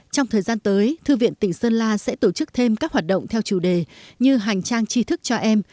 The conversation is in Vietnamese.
trong thời gian tới thư viện tỉnh sơn la sẽ tổ chức thêm các hoạt động theo chủ đề như hành trang tri thức cho em